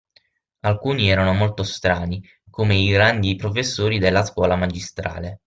Alcuni erano molto strani, come i grandi professori della Scuola Magistrale.